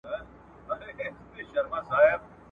چي دهقان ته په لاس ورنه سي تارونه `